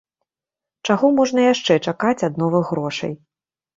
Чаго можна яшчэ чакаць ад новых грошай?